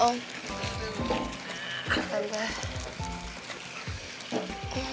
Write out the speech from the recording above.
ayo silakan duduk